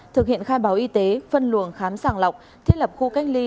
thực hiện khai báo y tế phân luồng khám sàng lọc thiết lập khu cách ly